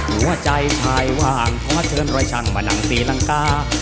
หัวใจชายว่างเพราะเชิญร้อยชังมานั่งศรีลังกา